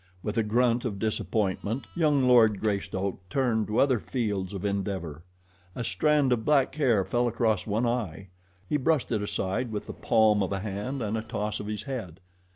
With a grunt of disappointment, young Lord Greystoke turned to other fields of endeavor. A strand of black hair fell across one eye. He brushed it aside with the palm of a hand and a toss of his head.